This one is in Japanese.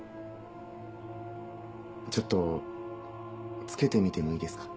ちょっとつけてみてもいいですか？